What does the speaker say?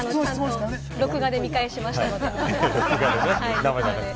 録画で見返しましたので。